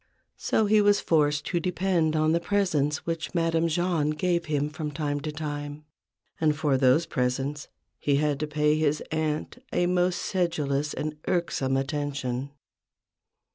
So he was forced to depend THE BUSINESS OF MADAME JAHN. 79 on the presents which Madame Jahn gave him from to time to time; and for those presents he had to pay his aunt a most sedulous and irksome attention.